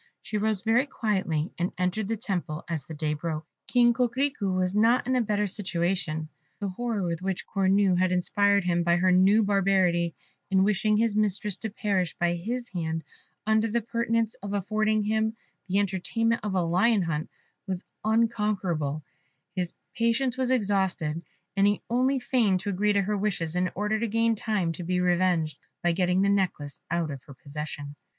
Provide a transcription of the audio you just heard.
She arose very quietly, and entered the temple as the day broke. King Coquerico was not in a better situation. The horror with which Cornue had inspired him by her new barbarity in wishing his mistress to perish by his hand under the pretence of affording him the entertainment of a lion hunt, was unconquerable: his patience was exhausted, and he only feigned to agree to her wishes in order to gain time to be revenged, by getting the necklace out of her possession.